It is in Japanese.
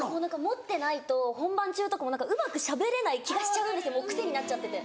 持ってないと本番中とかもうまくしゃべれない気がしちゃうもう癖になっちゃってて。